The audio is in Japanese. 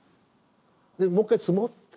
でもう一回積もうって。